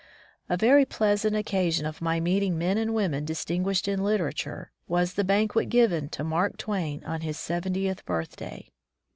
A very pleasant occasion of my meeting men and women distinguished in literature, was the banquet given to Mark Twain on his seventieth birthday.